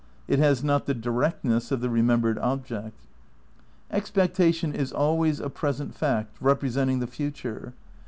It has not the directness of the re membered object. ... "Expectation is always a present fact representing the fu ture.